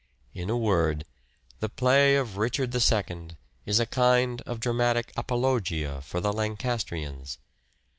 In a word, the play of " Richard II " is a kind of dramatic apologia for the Lancastrians.